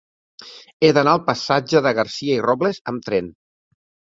He d'anar al passatge de Garcia i Robles amb tren.